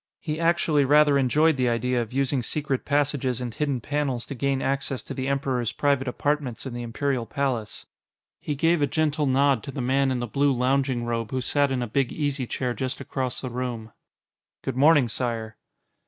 He actually rather enjoyed the idea of using secret passages and hidden panels to gain access to the Emperor's private apartments in the Imperial Palace. He gave a gentle nod to the man in the blue lounging robe who sat in a big easy chair just across the room. "Good morning, Sire."